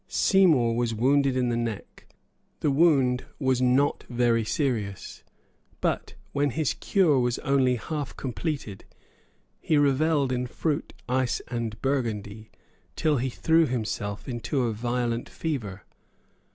Seymour was wounded in the neck. The wound was not very serious; but, when his cure was only half completed, he revelled in fruit, ice and Burgundy till he threw himself into a violent fever.